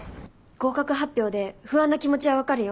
合格発表で不安な気持ちは分かるよ。